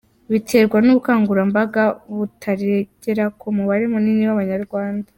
Biterwa n’ubukangurambaga butaragera ku mubare munini w’Abanyarwanda.